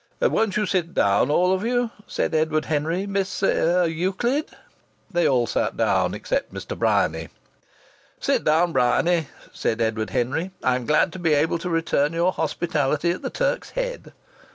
"Won't you sit down, all of you?" said Edward Henry. "Miss er Euclid " They all sat down except Mr. Bryany. "Sit down, Bryany," said Edward Henry. "I'm glad to be able to return your hospitality at the Turk's Head."